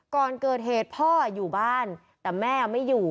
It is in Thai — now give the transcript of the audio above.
ก่อนเกิดเหตุพ่ออยู่บ้านแต่แม่ไม่อยู่